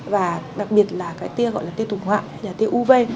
và đặc biệt là cái tia gọi là tia tục ngoại tia uv